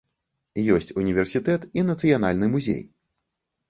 Ёсць універсітэт і нацыянальны музей.